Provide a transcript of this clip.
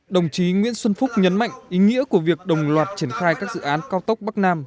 đồng chí nguyễn xuân phúc nhấn mạnh ý nghĩa của việc đồng loạt triển khai các dự án cao tốc bắc nam